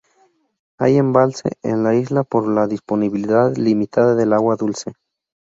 Hay embalse en la isla por la disponibilidad limitada del agua dulce.